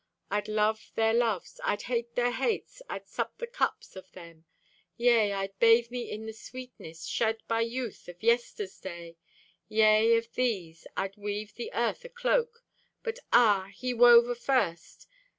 I'd love their loves, I'd hate their hates, I'd sup the cups of them; Yea, I'd bathe me in the sweetness Shed by youth of yester's day. Yea, of these I'd weave the Earth a cloak— But ah, He wove afirst!